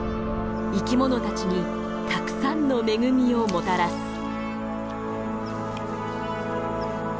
生きものたちにたくさんの恵みをもたらす。